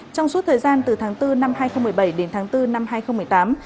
trong suốt thời gian từ tháng bốn năm hai nghìn một mươi bảy đến tháng bốn năm hai nghìn một mươi tám